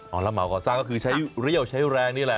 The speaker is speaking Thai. เอาละเหมาก่อสร้างก็คือใช้เรี่ยวใช้แรงนี่แหละ